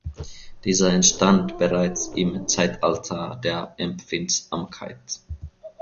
Dieser entstand bereits im „Zeitalter der Empfindsamkeit“.